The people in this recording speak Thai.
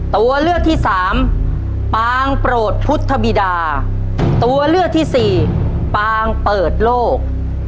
ตัวเลือกที่สามปางโปรดพุทธบิดาตัวเลือกที่สี่ปางเปิดโลก